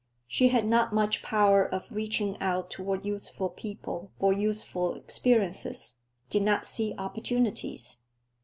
She had not much power of reaching out toward useful people or useful experiences, did not see opportunities.